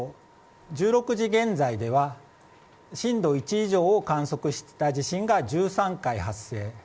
１６時現在では震度１以上を観測した地震が１３回発生。